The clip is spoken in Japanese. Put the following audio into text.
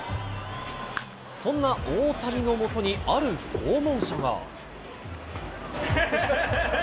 そんな大谷のもとに、ある訪問者が。